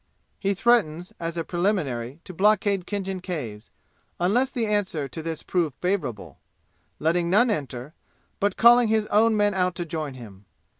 "He threatens as a preliminary to blockade Khinjan Caves, unless the answer to this prove favorable, letting none enter, but calling his own men out to join him.